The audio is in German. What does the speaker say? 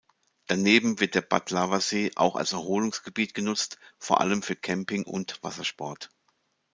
Daneben wird der Batllava-See auch als Erholungsgebiet genutzt, vor allem für Camping und Wassersport.